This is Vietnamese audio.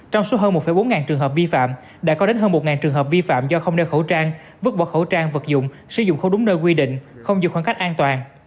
trong số hơn một bốn trường hợp vi phạm đã có đến hơn một trường hợp vi phạm do không đeo khẩu trang vứt bỏ khẩu trang vật dụng sử dụng không đúng nơi quy định không giữ khoảng cách an toàn